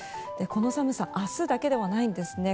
この寒さ明日だけではないんですね。